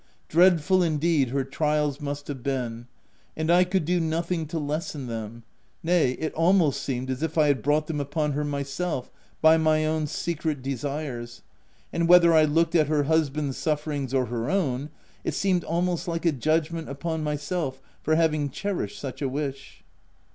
dreadful indeed her trials must have been ! And 1 could do nothing to lessen them — nay, it almost seemed as if I had brought them upon her myself, by my ow r n secret desires ; and whether I looked at her hus band's sufferings or her own, it seemed almost like a judgment upon myself for having che rished such a wish.